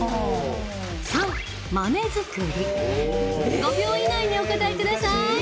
５秒以内にお答えください。